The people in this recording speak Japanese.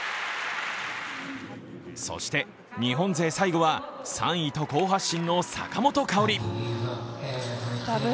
そして日本勢最後は３位と好発進の坂本花織。